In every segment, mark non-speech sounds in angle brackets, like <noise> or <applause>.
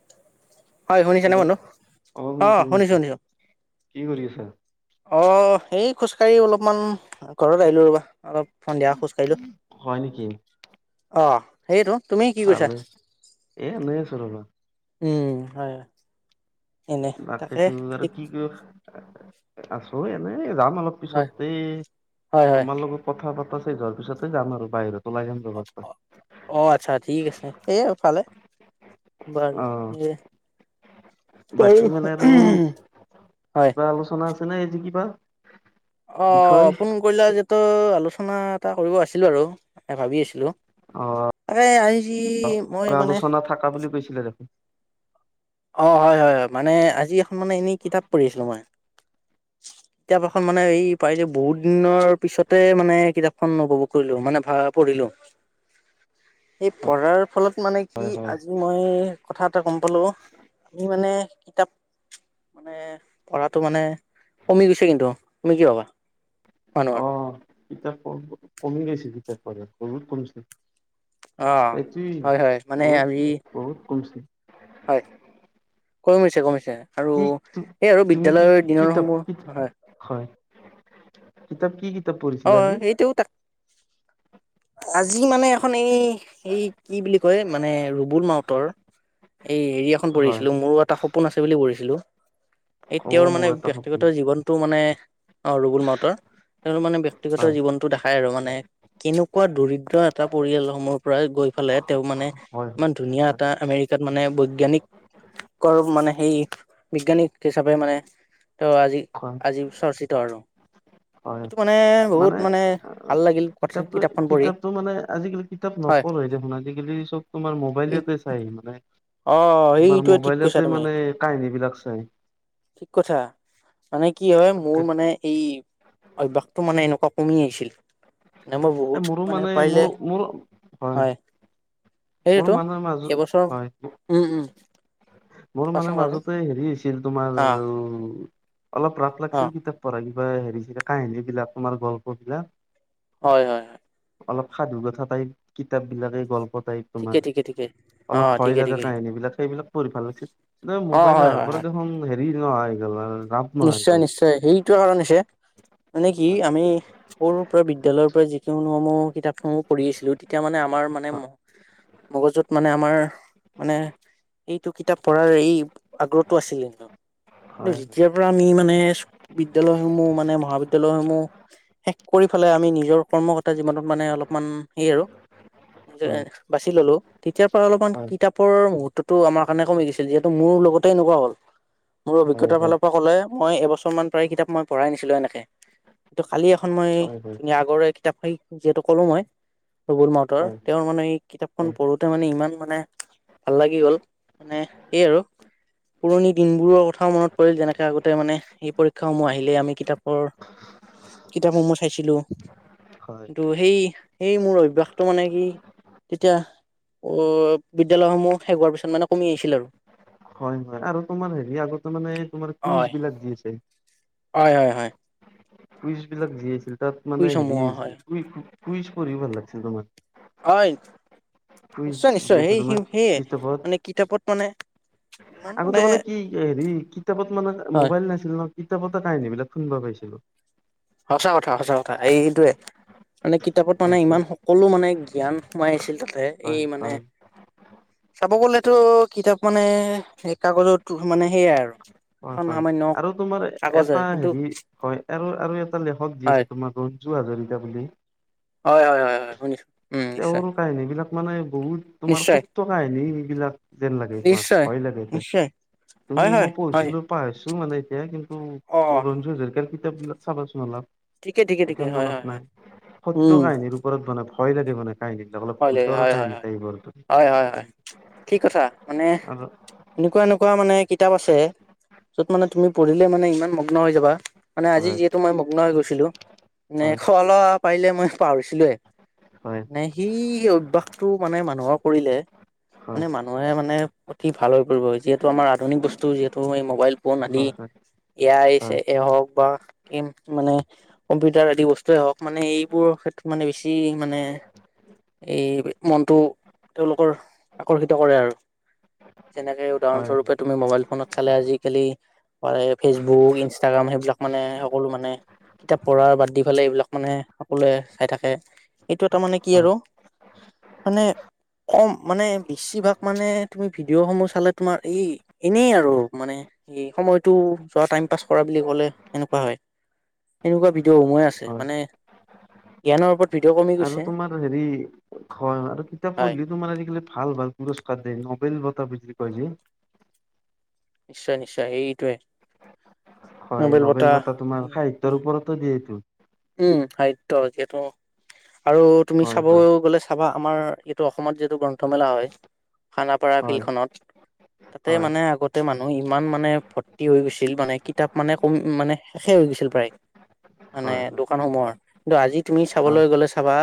<inaudible> হয়, শুনিছে নে হেল্ল' বন্ধু? শুনিছো অ', শুনিছো শুনিছোঁ, শুনিছোঁ। কি কৰি আছা? অ', এই খোজকাঢ়ি অলপমান ঘৰত আহিলোঁ ৰ'বা অ'। সন্ধিয়া খোজকাঢ়িলো হয় নেকি অ', এইটো তুমি কি কৰিছা? ভালে এ, এনেই আছোঁ ৰ'বা। উম, হয়। এনে বাকী তাকে তুমি বাৰু ঠিক কি <unintelligible> আছোঁ এনে, যাম অলপ হয় পিছত এই হয় হয় তোমাৰ লগত কথা অলপ আছে, যোৱাৰ পিছতে যাম আৰু বাহিৰত। ওলাই যাম ৰবা একবাৰ। অ', আচ্ছা ঠিক আছে, সেফালে বাৰু অ এই বাকী মানে আৰু হয় কিবা আলোচনা আছেনে অজি কিবা? অ', বিষয়? ফোন কৰিলা যিহেতু আলোচনা এটা কৰিব আছিল বাৰু। তাকে ভাবি আছিলোঁ, অ এই আজি মই মানে থকা বুলি কৈছিলে দেখো অ', হয়, হয়, হয়, মানে আজি এখন মানে এনেই কিতাপ পঢ়ি আছিলোঁ মই। <inaudible> কিতাপ এখন মানে এই পাৰিলে বহুত দিনৰ পিছতে মানে কিতাপখন উপভোগ কৰিলোঁ মানে ভা পঢ়িলো। <unintelligible> এই পঢ়াৰ ফলত মানে হয় কি হয় আজি মই কথা এটা গম পালোঁ। আমি মানে কিতাপ মানে পঢ়াটো মানে কমি গৈছে কিন্তু, তুমি কি ভাবা? মানুহৰ! অ', কিতাপ পঢ়া কমি গৈছে কিতাপ পঢ়া বহুত কমিছে। অ'। সেইটোৱেই হয় হয় মানে আমি বহুত, বহুত কমিছে। হয়, কমিছে, কমিছে। আৰু কি তু- এই আৰু তুমি কি বিদ্যালয়ৰ কি- দিনৰ কিতাপ কি- সমূহ হয় হয়। কিতাপ, কি কিতাপ পঢ়ি অ', সেইটো তাক আজি মানে এখন এই এই কি বুলি কয় মানে ৰুবুল মাউতৰ এই হেৰি এখন হয়, পঢ়িছিলোঁ মোৰো এটা সপোন আছে বুলি পঢ়িছিলোঁ। এই অ তেওঁৰ মোৰ মানে এটা সপোন ব্যক্তিগত জীৱনতটো মানে অ', ৰুবুল মউতৰ তেওঁৰ মানে ব্যক্তি ব্যক্তিগত হয়। জীৱনতটো দেখাই আৰু মানে, কেনেকুৱা দৰিদ্ৰ এটা পৰিয়ালসমূহ পৰা গৈ ফালে তেওঁ মানে হয় ইমান ধুনীয়া হয় এটা আমেৰিকাত মানে বৈজ্ঞানিক কৰ মানে সেই বিজ্ঞানিক হিচাপে মানে ত' আজি, হয় আজি চৰ্চিত আৰু হয় <unintelligible> মানে বহুত মানে ভাল লাগিল কথা কিতাপটো, কিতাপখন পঢ়ি কিতাপতটো মানে আজিকালি কিতাপ নপ হয় ঢ়েই দেখোন আজিকালি চব তোমাৰ মোবাইলতে চাই মানে অ তোমাৰ সেইটোৱে ঠিক কৈছা মোবাইলতে তুমি মানে কাহিনীবিলাক চায়। ঠিক কথা মানে কি হয়, মোৰ মানে এই অভ্যাসটো মানে এনেকুৱা কমি আহিছিল <unintelligible> মই এ বহুত মোৰো মানে পাৰিলে মোৰ মোৰ হয় মোৰ সেইটোতো মানুহৰ মাজত, এইবছৰ হয় উম উম। মোৰ মানে কোৱাচোন কোৱাচোন মাজতে হেৰি হৈছিল তোমাৰ অ অলপ ৰাস অ লাগিছিল কিতাপ পৰা কিবা হেৰিছিলে কাহিনীবিলাক তোমাৰ গল্পবিলাক। হয়, হয়। হয় অলপ সাধুকথা টাইপ, কিতাপবিলাক এই গল্প টাইপ। ঠিকে তোমাৰ ঠিকে ঠিকে অ অলপ ভয় ঠিকে লগা ঠিকে কাহিনীবিলাক সেইবিলাক পঢ়ি ভাল লাগিছিল। <unintelligible> অ হয় মোবাইলাৰ হয় আগতে হয় দেখোন হেৰি নহয় <unintelligible> নিশ্চয়, নিশ্চয় সেইটোকাৰণ হৈছে মানে কি হয় আমি সৰুৰ পৰা বিদ্যালয়ৰ পৰা যিখিনিসমূহ কিতাপসমূহ পঢ়ি আহিছিলোঁ তেতিয়া মানে আমাৰ মানে মগজুত মানে আমাৰ মানে এইটো কিতাপ পঢ়াৰ এই আগ্ৰহটো আছিল, হয় কিন্তু তেতিয়াৰ পৰা আমি মানে বিদ্যালয়সমূহ মানে মহাবিদ্যালয়সমূহ শেষ কৰি পেলাই আমি নিজৰ কৰ্মগতা জীৱনত মানে অলপমান হে আৰু হয় বাছি ল'লো তেতিয়াৰ পৰা অলপমান হয় কিতাপৰ মুহুৰ্তত টো আমাৰ কাৰণে কমি গৈছে যিহেতু মোৰ লগতে এনেকুৱা হ'ল, মোৰ হয় অভিজ্ঞতা হয় ফালৰ পা ক'ব গ'লে মই এবছৰমান প্ৰায় কিতাপ মই পঢ়াই নাছিলো এনেকে। ত' কালি এখন মই হয় হয় ধুনীয়া আগৰেৰে কিতাপ এই যিহেতু ক'লো মই ৰবুল মাউতৰ, হয় তেওঁৰ মানে এই কিতাপখন হয়। পঢ়োতে মানে ইমান মানে ভাললাগি গ'ল মানে সেয়ে আৰু পুৰণি দিনবোৰ কথাও মনত পৰিল যেনেকে আগতে মানে এই পৰীক্ষাসমূহ আহিলেই আমি কিতাপবোৰ কিতাপসমূহ চাইছিলোঁ। হয় টো সেই, সেই মোৰ অভ্যাসটো মানে কি তেতিয়া অ', বিদ্যালয়সমূহ শেষ হোৱাৰ পিছত মানে কমি আহিছিল আৰু। হয় হয় আৰু তোমাৰ হেৰি আগতে মানে তোমাৰ হয়, কুইচবিলাক দি আছে। হয়, হয়, হয়। কুইজবিলাক দি আছিল তাত মানে হেৰি কুইজসমূহ হৈছিল হয়, কুই- কুইজ কৰি ভাল লাগিছিল তোমাৰ। হয়, কুইজ নিশ্চয়, যি নিশ্চয় আছে সেই তোমাৰ সেয়ে কিতাপত মানে কিতাপত মানে আগতে মানে কি হেৰি কিতাপত মানে হয়, মোবাইল নাছি ন কিতাপতে কাহিনীবিলাক শুনিব পাইছিলোঁ। সঁচা কথা, সঁচা কথা এইটোৱে। মানে কিতাপত মানে সেইটোৱে ইমান সকলো মানে জ্ঞান সোমাই আছিল তাতে এই হয় মানে হয় চাব গ'লেতো কিতাপ মানে <unintelligible> কাগজত মানে সেয়াই আৰু। হয় এখন হয় সামান্য আৰু তোমাৰ কাগজে এটা কিন্তু হেৰি হয়, আৰু, আৰু এটা লেখক দি হয়, আছে তোমাক ৰঞ্জু হাজৰিকা বুলি। হয়, হয়, হয়, হয়, শুনিছোঁ। উম, নিশ্চয়, তেওঁৰ কাহিনীবিলাক মানে বহুত তোমাৰ নিশ্চয়, সত্য কাহিনী এইগিলাক। যেন লাগে কোৱা নিশ্চয়, ভয় লাগে হয়, নিশ্চয়, হয়, তুমি হয়, মই হয়, পঢ়িছিলোঁ পাহৰছোঁ মানে এতিয়া কিন্তু অ', ৰঞ্জু হাজৰিকাৰ কিতাপবিলাক চাবাচোন অলপ। ঠিকে, ঠিকে, ঠিকে, এতিয়া হয়, মনত হয়, নাই, হয়, সত্য উম, কাহিনীৰ ওপৰত বনাই ভয় লাগে মানে কাহিনী। বিলাক অলপ ভয় লাগে ভূতৰ হয়, হয়, কাহিনী টাইপৰ হয়, হয়, হয়, কি কথা মানে আৰু এনেকুৱা, এনেকুৱা মানে কিতাপ আছে য'ত মানে তুমি পঢ়িলে মানে ইমান মগ্ন হৈ যাবা মানে আজি হয় যিহেতু মই মগ্ন হৈ গৈ ছিলোঁ মানে হয় খোৱা লোৱা পাৰিলে মই পাহৰিছিলোঁয়ে হয় <unintelligible> সেই অভ্যাসটো মানে মানুহৰ কৰিলে হয় মানে মানুহে মানে অতি ভাল হৈ পৰিব, যিহেতু আমাৰ আধুনিক বস্তু যিহেতু এই মোবাইল <unintelligible> আদি হয় হয় এ আই <unintelligible> হয় এ, হওঁক বা গেম মানে কম্পিউটাৰ আদি বস্তুৱেই হওঁক মানে এইবোৰ ক্ষেত্ৰত মানে বেছি মানে এই মনটো তেওঁলোকৰ আকৰ্ষিত কৰে আৰু। যেনেকে হয় উদাহৰণস্বৰূপে তুমি মোবাইল ফোনত চালে আজিকালি পাৰে ফেচবুক, ইনষ্টাগ্ৰাম সেইবিলাক মানে সকলো মানে কিতাপ পঢ়াৰ বাদ দি এইবিলাক মানে সকলোৱে চাই থাকে, এইটো এটা মানে কি হয় আৰু মানে কম মানে বেছিভাগ মানে তুমি ভিডিঅ'সমূহ চালে তোমাৰ এই এনেই আৰু মানে এই সময়টো যোৱা টাইম পাছ কৰা বুলি ক'লে এনেকুৱা হয়। এনেকুৱা ভিডিঅ' সমূহেই আছে, হয় মানে জ্ঞানৰ ওপৰত ভিডিঅ' কমি গৈছে। <inaudible> তোমাৰ আজিকালি ভাল, ভাল হয় পুৰস্কাৰ দিয়ে ন'বেল বঁটা বৃত্তি কয় যে। নিশ্চয়, নিশ্চয় সেইটোৱে। হয়, ন'বেল বঁটা তোমাৰ উম সাহিত্যৰ উম ওপৰতো দিয়েটো। উম, সাহিত্য এতিয়াটো আৰু তুমি হয় চাব হয় গ'লে চাবা আমাৰ এইটো অসমত যিটো গ্ৰন্থমেলা হয়, খানাপাৰা হয় ফিল্ডখনত তাতে হয় মানে আগতে মানুহ ইমান মানে ভৰ্তি হৈ গৈছিল, মানে কিতাপ মানে কমি মানে শেষেই হৈছিল প্ৰায়। মানে হয়। দোকানসমূহৰ, কিন্তু আজি তুমি হয় চাবলৈ গ'লে চাবা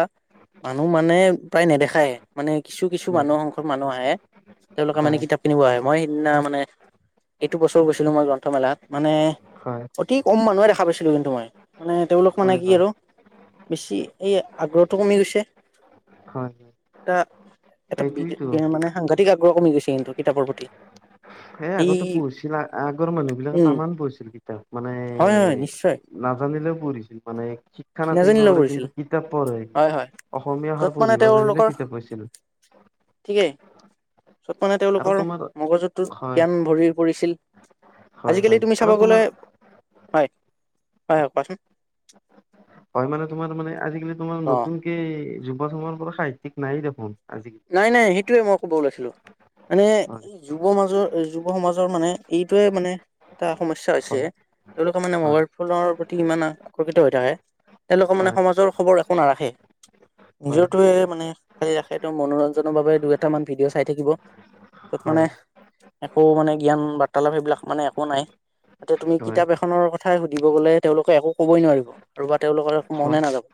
মানুহ মানে প্ৰায় নেদেখায়ে মানে কিছু, কিছু হয় মানুহ <unintelligible> মানুহ আহে। তেওঁলোকে মানে হয় কিতাপ কিনিব আহে, মই সেইদিনা মানে এইটো বছৰো গৈছিলোঁ মই গ্ৰন্থমেলা মানে হয় অতি কম মানুহে দেখা পাইছিলোঁ কিন্তু মই, মানে তেওঁলোক মানে হয় কি হয় আৰু বেছি এই আগ্ৰহটো কমি গৈছে। হয় <inaudible> এটা সেইটোৱেতো বেয়া মানে সাংঘাতিক আগ্ৰহ কমি গৈছে কিন্তু কিতাপৰ প্ৰতি। এ, এই আগতে পঢ়িছিলা আগৰ মানুহবিলাকে উম টামাম পঢ়িছিল কিতাপ মানে হয় হয় নিশ্চয় নাজানিলেও পঢ়িছিল মানে কি শিক্ষা নাথাকিব নাজানিলেও পাৰে পৰিছিল কিন্তু কিতাপ পঢ়ে, হয় হয় অসমীয়া য'ত <unintelligible> মানে পঢ়িব জানিলে তেওঁলোকৰ কিতাপ পঢ়িছিল। ঠিকেই চব মানে আৰু তেওঁলোকৰ তোমাৰ মগজুটোত হয় জ্ঞান ভৰি পৰিছিল। হয় আজিকালি হয় তুমি আৰু চাব গ'লে তোমাৰ হয়, হয়, হয়, কোৱাচোন। হয়, মানে তোমাৰ মানে আজিকালি তোমাৰ অ নতুনকে যুৱ চামৰ পৰা সাহিত্যিক নাইয়ে দেখোন আজিকালি। নাই, নাই সেইটোৱে মই ক'ব ওলাইছিলোঁ মানে হয় যুৱ মাজৰ যুৱ সমাজৰ মানে এইটোয়ে মানে এটা সমস্যা হৈছে হয় তেওঁলোকে মানে হয় মোবাইল ফোনৰ প্ৰতি ইমান আকৰ্ষিত হৈ থাকে তেওঁলোকে মানে হয় সমাজৰ খবৰ একো নাৰাখে, হয় নিজৰটোৱে মানে খালি ৰাখে। মনোৰঞ্জনৰ বাবে দুই এটা মান ভিডিঅ' চাই থাকিব, য'ত হয় মানে একো মানে জ্ঞান বাৰ্তালাপ সেইবিলাক মানে একো নাই। এতিয়া তুমি হয় কিতাপ এখনৰ কথাই সুধিব গ'লে তেওঁলোকে একো ক'বই নোৱাৰিব। ৰ'বা তেওঁলোকৰ একো হয় মনে নাযাব,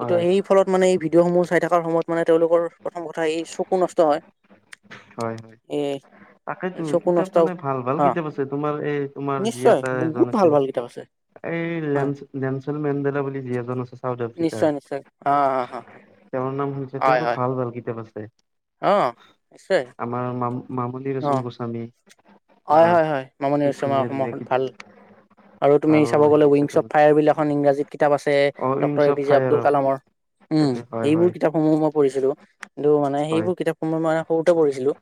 কিন্তু এই ফলত মানে এই ভিডিঅ' সমূহ চাই থকাৰ সময়ত মানে তেওঁলোকৰ প্ৰথম কথা এই চকু নষ্ট হয়, এ তাকেইতো এই চকু কিতাপ নষ্ট মানে ভাল, ভাল অ কিতাপ আছে তোমাৰ এই তোমাৰ যি নিশ্চয় এটা বহুত এজন ভাল আছে ভাল কিতাপ আছে এই হয় লেন-লেনচন মেডেলা বুলি যি এজন আছে চাউথ আফ্ৰিকাৰ নিশ্চয় নিশ্চয় অ অ অ তেওঁৰ নাম হৈছে হয় তেওঁটো হয় ভাল, ভাল কিতাপ আছে। অ', আছে। আমাৰ মাম- মামুনি ৰয়ছম গোস্বামী। হয়, তোমাৰ হয়, হয়, মামণি কি ৰয়সম ধুনীয়া অসম ধুনীয়া কি ভাল আৰু তুমি ভাল চাব গ'লে হেৰি আছে উইংগছ অফ তোমাৰ ফায়াৰ বুলি এখন ইংৰাজীত কিতাপ আছে। এ, অ doctor inch A of P J fire Abdul of কালামৰ উম, হয় এইবোৰ হয় কিতাপ সমূহ মই পঢ়িছিলোঁ, কিন্তু মানে হয় সেইবোৰ কিতাপসমূহ মই মানে সৰুতে পঢ়ছিলোঁ।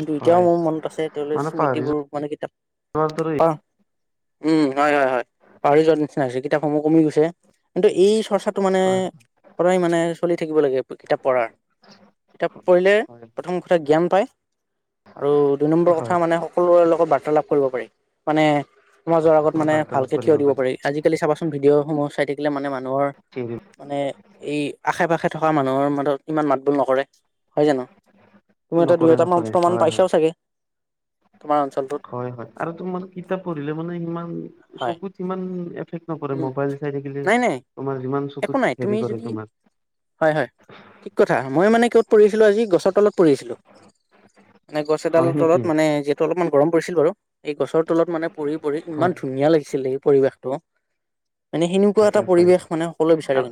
কিন্তু এতিয়াও হয় মোৰ মনত আছে তেওঁলৈ মানে পাহৰি স্মৃতিবোৰ মানে কিতাপ হয় পা উম, হয়, হয়, হয়, পাহৰি যোৱাৰ নিচিনা হৈছে কিতাপসমূহ কমি গৈছে। কিন্তু এই চৰ্চাটো মানে হয় সদায় মানে চলি থাকিব লাগে কিতাপ পঢ়াৰ। কিতাপ পঢ়িলে হয় প্ৰথম কথা জ্ঞান পায় আৰু দুই নম্বৰ কথা হয় মানে সকলোৰে লগত বাৰ্তালাপ কৰিব পাৰি মানে সমাজৰ আগত তোমাৰ মানে বাৰ্তালাপ ভালকে থিয় কৰিব দিব পাৰি, আজি কালি চাবাচোন ভিডিঅ'সমূহ চাই থাকিলে মানে মানুহৰ <inaudible> মানে এই আশে পাশে থকা মানুহৰ মাজত ইমান মাত বোল নকৰে হয় জানো? তুমিটো দুই নকৰে এটা নকৰে প্ৰমাণ হয় হয় পাইছাও চাগে, তোমাৰ অঞ্চলটোত? হয় হয় আৰু তুমি মানে কিতাপ পঢ়িলে মানে ইমান হয় চকুত ইমান এফেক্ট নপৰে উম মোবাইল চাই থাকিলে নাই নাই তোমাৰ যিমান একো চকুত নাই তুমি হেৰি কৰে যদি তোমাৰ। হয়, হয় ঠিক কথা মইও মানে ক'ত পঢ়িছিলোঁ আজি গছৰ তলত পঢ়িছিলোঁ। মানে গছ এডাল হয় নেকি তলত মানে অলপমান গৰম পৰিছিল বাৰু এই গছৰ তলত মানে পঢ়ি-পঢ়ি ইমান হয় ধুনীয়া লাগিছিলে এই পৰিৱেশটো। মানে সেনেকুৱা এটা হয় হয় পৰিৱেশ মানে সকলোৱে বিচাৰে আৰু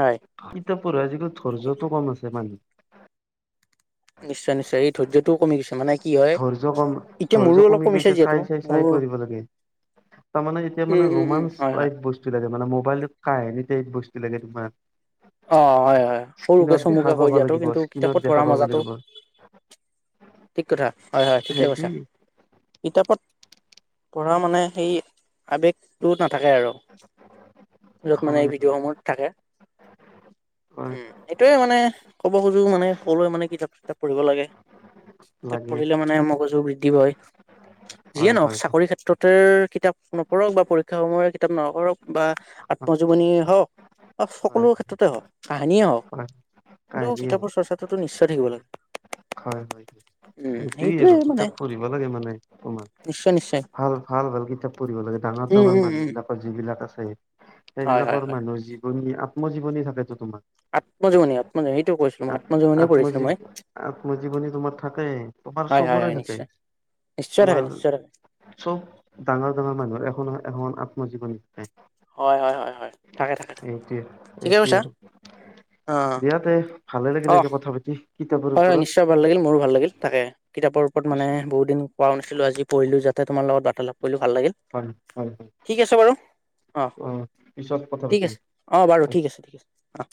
হয় কিতাপ পঢ়াৰ আজিকাল ধৈৰ্যতো কম আছে মানুহৰ। নিশ্চয়, নিশ্চয় এই ধৰ্য্যটোও কমিছে মানে কি হয় ধৈৰ্য্য কম এতিয়া মোৰো ধৈৰ্য্য অলপ কমি কমিছে গৈছে যিহেতু চাই, মোৰ চাই-চাই পঢ়িব লাগে। তাৰমানে এতিয়া উম মানে উম উম। ৰোমাঞ্চ হয় হয় টাইপ বস্তু ব লাগে মানে মোবাইলটো কাহিনী টাইপ বস্তু লাগে তোমাৰ। অ', হয়, হয় সৰুকে স্ক্ৰীনত দেখা চমুকে কৈ পাব দিয়াতো লাগিব কিন্তু স্ক্ৰীনত কিতাপত দেখা পঢ়া পাব মজাতো লাগিব ঠিক কথা হয়, হয়, ঠিকে সেইটোৱে কৈছা কিতাপত পঢ়া মানে সেই আৱেগটো নাথাকে আৰু। য'ত মানে এই হয় হয় ভিডিঅ'সমূহত থাকে। হয় উম, সেইটোয়ে মানে ক'ব খোজো মানে সকলোৱে মানে কিতাপ-চিতাপ পঢ়িব লাগে। কিতাপ লাগে পঢ়িলে মানে মগজু বৃদ্ধি হয়, যিয়ে হয় নহ হয় চাকৰি ক্ষেত্ৰত কিতাপ নপঢ়ক বা পৰীক্ষাসমূহৰ কিতাপ <unintelligible> বা হয় আত্মজীৱনী হওঁক হয় সকলো ক্ষেত্ৰতে হওঁক, কাহিনিয়ে হওঁক হয় কিন্তু কাহিনী হয় কিতাপৰ চৰ্চাটোতো নিশ্চয় থাকিব লাগে। হয়, হয়, উম সেইটোয়ে <unintelligible> মানে কিতাপ পঢ়িব লাগে মানে অকমান নিশ্চয় নিশ্চয় ভাল। ভাল-ভাল কিতাপ পঢ়িব লাগে ডাঙৰ, উম ডাঙৰ উম মানুহ উম বিলাকৰ যিবিলাক আছে হয় হয় সেইবিলাকৰ হয় মানুহৰ জীৱনী আত্মজীৱনী থাকেতো তোমাৰ। আত্মজীনী-আত্মজীনীটো কৈছোঁ মই। আত্মজীৱনীয়ে পঢ়িছিলো মই আত্মজী-আত্মজীৱনী তোমাৰ থাকে, তোমাৰ হয় হয় হয় চবৰে থাকে। নিশ্চয় নিশ্চয় থাকে, তোমাৰ নিশ্চয় থাকে। চব ডাঙৰ-ডাঙৰ মানুহৰ এখন এ-এখন আত্মজীৱনী। হয়, হয়, হয়, হয়। থাকে থাকে ঠিকে এইটোৱে-এইটোৱে কৈছা আৰু অ দিয়াতে ভালে লাগিলে অ আজি কথা পাতি। কিতাপৰ হয়, হয় ওপৰত নিশ্চয় ভাল লাগিল মোৰো ভাল লাগিল, তাকে কিতাপৰ ওপৰত মানে বহুত দিন <unintelligible> নাছিলোঁ, আজি পঢ়িলোঁ যাতে তোৰ লগত বাৰ্তালাপ কৰিলোঁ ভাল লাগিল। হয়, হয়, হয়, ঠিক আছে বাৰু অ', পিছত কথা ঠিক পাতিম। আছে অ', বাৰু ঠিক আছে ঠিক আছে অ'।